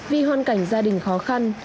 vì hoàn cảnh gia đình khó khăn